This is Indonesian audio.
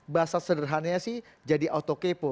bahasa sederhananya sih jadi auto kepo